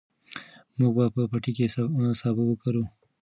موږ به په پټي کې سابه وکرو.